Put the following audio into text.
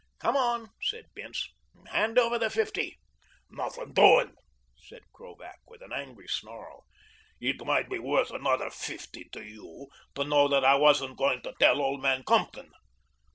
"Come on," said Bince, "hand over the fifty." "Nothin' doin'," said Krovac with an angry snarl. "It might be worth another fifty to you to know that I wasn't going to tell old man Compton."